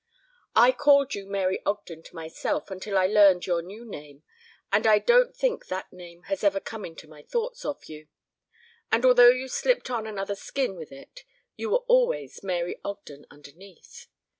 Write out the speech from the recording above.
I called you Mary Ogden to myself until I learned your new name, and I don't think that name has ever come into my thoughts of you. And although you slipped on another skin with it you were always Mary Ogden underneath.